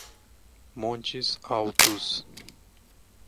Montes Altos